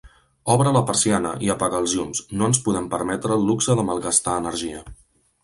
Obre la persiana i apaga els llums, no ens podem permetre el luxe de malgastar energia!